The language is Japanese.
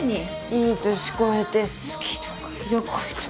いい年こいて好きとか色恋とか。